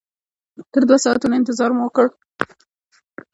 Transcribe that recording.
تر دوو ساعتونو انتظار مو وکړ.